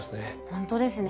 ほんとですね。